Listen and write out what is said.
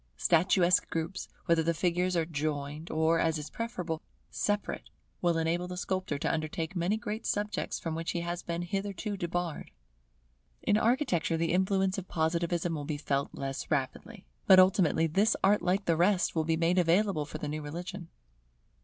Statuesque groups, whether the figures are joined or, as is preferable, separate, will enable the sculptor to undertake many great subjects from which he has been hitherto debarred. In Architecture the influence of Positivism will be felt less rapidly; but ultimately this art like the rest will be made available for the new religion.